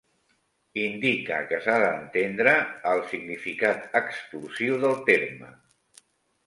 Indica que s'ha d'entendre el significat exclusiu del terme.